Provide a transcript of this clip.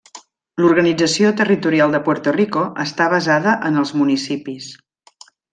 L'organització territorial de Puerto Rico està basada en els municipis.